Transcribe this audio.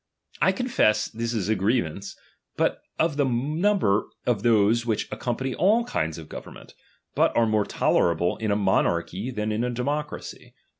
I confess this is a grievance, but of the number of those which ac company all hinds of government, but are more tolerable in a monarchy than in a democracy.